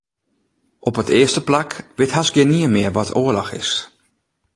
Op it earste plak wit hast gjinien mear wat oarloch is.